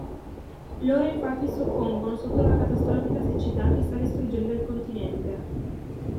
Loro infatti soccombono sotto la catastrofica siccità che sta distruggendo il continente.